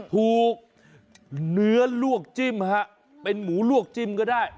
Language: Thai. เนื้อลวกจิ้มฮะเป็นหมูลวกจิ้มก็ได้